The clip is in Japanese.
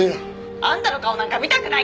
あんたの顔なんか見たくない。